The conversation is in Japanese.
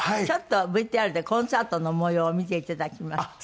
ちょっとＶＴＲでコンサートの模様を見て頂きます。